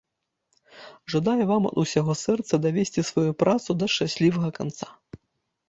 Жадаю вам ад усяго сэрца давесці сваю працу да шчаслівага канца!